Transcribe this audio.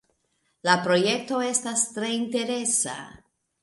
La projekto estas tre interesa.